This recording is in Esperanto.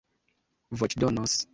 voĉdonos